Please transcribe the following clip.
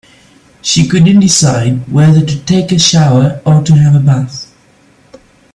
She couldn't decide whether to take a shower or to have a bath.